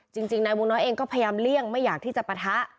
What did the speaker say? จริงนายวงน้อยเองก็พยายามเลี่ยงไม่อยากที่จะปะทะ